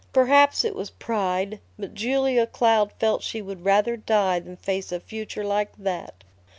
Perhaps it was pride, but Julia Cloud felt she would rather die than face a future like that.